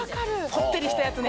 こってりしたやつね。